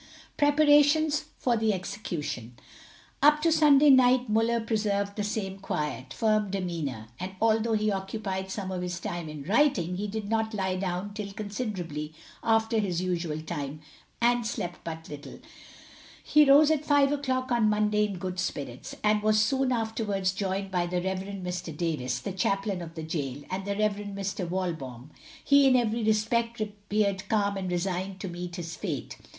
PREPARATIONS FOR THE EXECUTION. Up to Sunday night Muller preserved the same quiet, firm demeanour, and although he occupied some of his time in writing, he did not lie down till considerably after his usual time, and slept but little. He rose at five o'clock on Monday in good spirits, and was soon afterwards joined by the Rev. Mr. Davis, the chaplain of the gaol, and the Rev. Mr. Walbaum. He in every respect appeared calm and resigned to meet his fate.